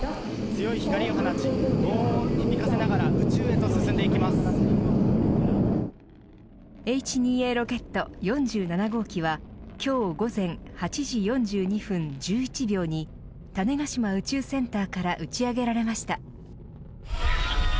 強い光を放ち、ごう音を響かせながら宇宙へとＨ２Ａロケット４７号機は今日午前８時４２分１１秒に種子島宇宙センターから打ち上げられました。